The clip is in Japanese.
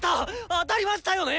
当たりましたよね